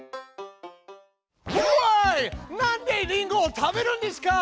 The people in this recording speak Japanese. なんでリンゴを食べるんですか！